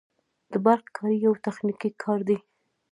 د برق کاري یو تخنیکي کار دی